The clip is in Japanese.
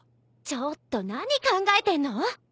ちょっと何考えてんの！